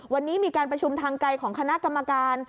วันนี้มีการประชุมทางไกลของคณะกรรมการ